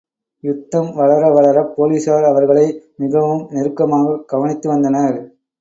யுத்தம் வளர வளரப் போலிஸார் அவர்களை மிகவும் நெருக்கமாகக் கவனித்து வந்தனர்.